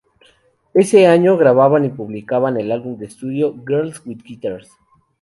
Ese año graban y publican el álbum de estudio ""Girls with Guitars"".